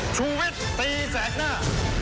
ชีวิตตีแสดงหน้า